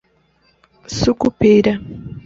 Sucupira